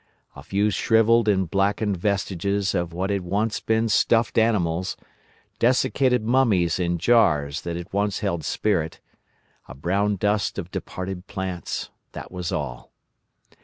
A few shrivelled and blackened vestiges of what had once been stuffed animals, desiccated mummies in jars that had once held spirit, a brown dust of departed plants: that was all!